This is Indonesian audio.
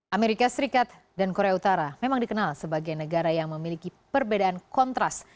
amerika serikat dan korea utara memang dikenal sebagai negara yang memiliki perbedaan kontras